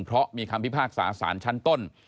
เพราะมีคำพิพากษาสารชั้นต้น